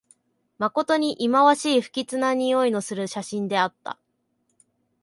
まことにいまわしい、不吉なにおいのする写真であった